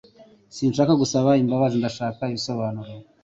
Sinshaka gusaba imbabazi. Ndashaka ibisobanuro.